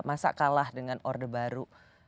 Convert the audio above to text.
masa kalah dengan orde baru